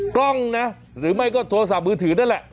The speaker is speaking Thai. กล้องนะหรือไม่ก็โทรศัพท์มือถือนั่นแหละ